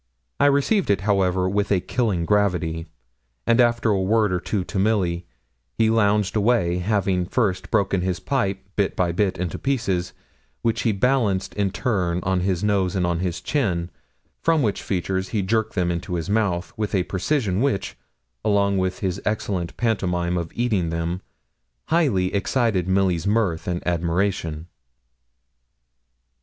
I received it, however, with a killing gravity; and after a word or two to Milly, he lounged away, having first broken his pipe, bit by bit, into pieces, which he balanced in turn on his nose and on his chin, from which features he jerked them into his mouth, with a precision which, along with his excellent pantomime of eating them, highly excited Milly's mirth and admiration.